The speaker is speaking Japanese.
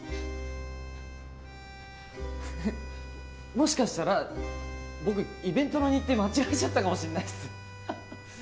もしかしたら僕イベントの日程間違えちゃったかもしんないっすハハッ。